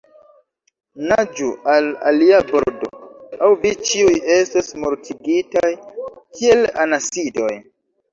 Naĝu al alia bordo, aŭ vi ĉiuj estos mortigitaj, kiel anasidoj!